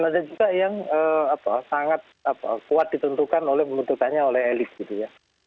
ada juga yang sangat kuat ditentukan oleh membutuhkannya oleh elit gitu ya